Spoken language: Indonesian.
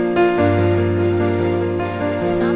beberapa hari lagi